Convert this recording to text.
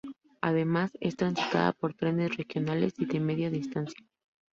Además, es transitada por trenes regionales y de media distancia.